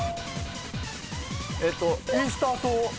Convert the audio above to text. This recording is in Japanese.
えっとイースター島。